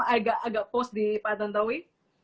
agak agak post di pak tantowi